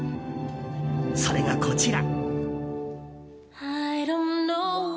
それがこちら。